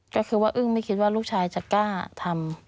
ก็คือว่าอึ้งไม่คิดว่าลูกชายจะกล้าทำ